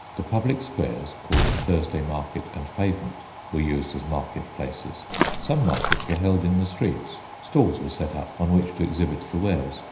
The public squares, called Thursday Market and Pavement, were used as market places. Some markets were held in the streets. Stalls were set up on which to exhibit the wares.